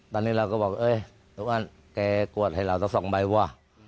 ตอนนี้เราก็บอกเอ้ยทุกคนแกกวดให้เราละ๒ใบบ้วะ